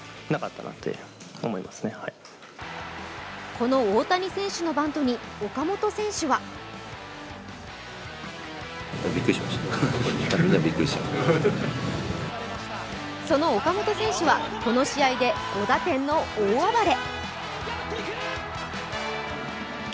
この大谷選手のバントに岡本選手はその岡本選手はこの試合で５打点の大暴れ。